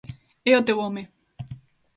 É o teu home.